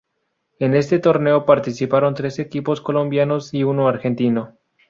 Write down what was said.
En este torneo participaron tres equipos colombianos y uno argentino.